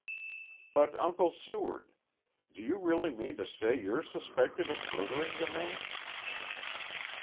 "But, Uncle Seward. Do you really mean to say you're suspected of murdering the man?"